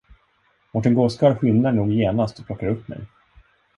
Mårten gåskarl skyndar nog genast och plockar upp mig.